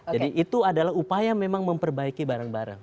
jadi itu adalah upaya memang memperbaiki bareng bareng